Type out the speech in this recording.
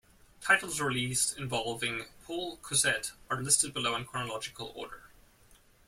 Titles released involving Paul Cuisset are listed below in chronological order.